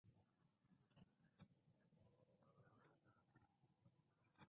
Así mismo se encuentra rodeada por grandes extensiones de selva virgen.